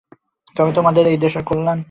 তবে তোদের এবং দেশের কল্যাণ।